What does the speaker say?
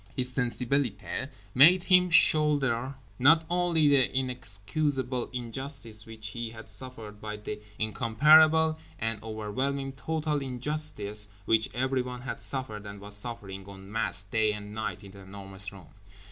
His sensibilité made him shoulder not only the inexcusable injustice which he had suffered but the incomparable and overwhelming total injustice which everyone had suffered and was suffering en masse day and night in The Enormous Room.